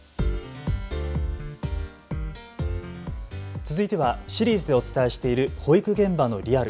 続いてはシリーズでお伝えしている保育現場のリアル。